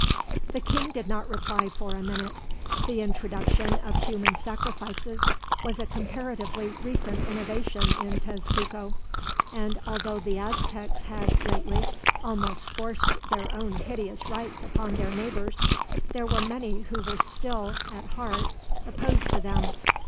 The king did not reply for a minute. The introduction of human sacrifices was a comparatively recent innovation in Tezcuco, and although the Aztecs had, lately, almost forced their own hideous rites upon their neighbors, there were many who were still, at heart, opposed to them.